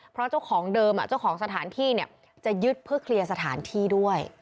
เพราะเจ้าของเดิมเจ้าของสถานที่จะยึดเพื่อเคลียร์สถานที่ด้วย